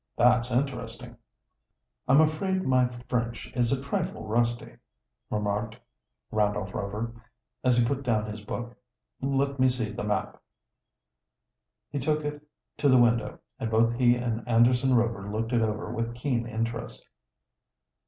"That's interesting." "I am afraid my French is a trifle rusty," remarked Randolph Rover, as he put down his book. "Let me see the map." He took it to the window, and both he and Anderson Rover looked it over with keen interest.